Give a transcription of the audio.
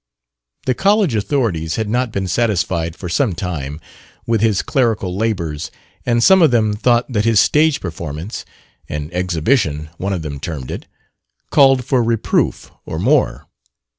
The college authorities had not been satisfied, for some time, with his clerical labors, and some of them thought that his stage performance an "exhibition" one of them termed it called for reproof, or more.